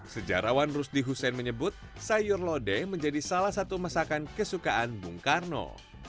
sejarawan rusdi hussein menyebut sayur lodeh menjadi salah satu masakan kesukaan bung karno